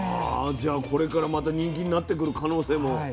じゃあこれからまた人気になってくる可能性も。